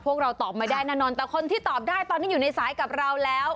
พวกเราตอบไม่ได้แน่นอนแต่คนที่ตอบได้ตอนนี้อยู่ในสายกับเราแล้ว